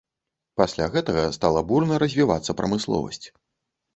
Пасля гэтага стала бурна развівацца прамысловасць.